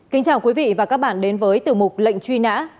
kính chào quý vị và các bạn đến với tiểu mục lệnh truy nã